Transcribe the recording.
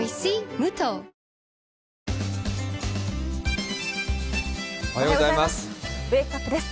無糖おはようございます。